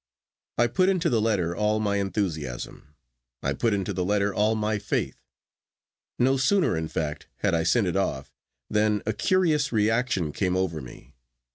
I put into the letter all my enthusiasm. I put into the letter all my faith. No sooner, in fact, had I sent it off than a curious reaction came over me.